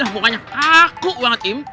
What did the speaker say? bukannya kaku banget im